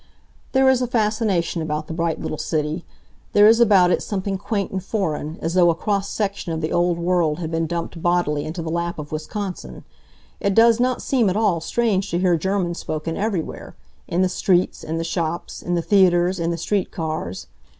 There is a fascination about the bright little city. There is about it something quaint and foreign, as though a cross section of the old world had been dumped bodily into the lap of Wisconsin. It does not seem at all strange to hear German spoken everywhere in the streets, in the shops, in the theaters, in the street cars.